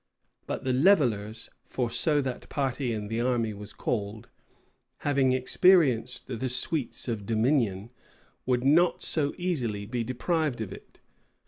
But the "levellers," for so that party in the army was called, having experienced the sweets of dominion, would not so easily be deprived of it.